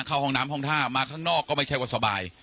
เข้าห้องน้ำห้องท่ามาข้างนอกก็ไม่ใช่ว่าสบาย